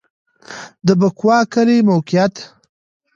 د بکوا کلی موقعیت